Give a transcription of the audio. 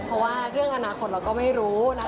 เพราะว่าเรื่องอนาคตเราก็ไม่รู้นะ